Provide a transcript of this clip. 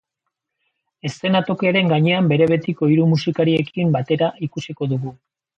Eszenatokiaren gainean bere betiko hiru musikariekin batera ikusiko dugu.